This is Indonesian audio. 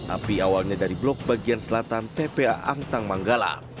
api awalnya dari blok bagian selatan tpa angkara